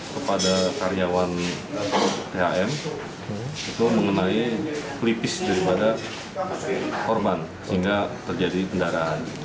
kepada karyawan thm itu mengenai pelipis daripada korban sehingga terjadi kendaraan